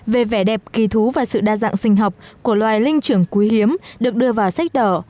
về vẻ đẹp kỳ thú và sự đa dạng sinh học của loài linh trưởng quý hiếm được đưa vào sách đỏ